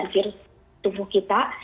dan virus tubuh kita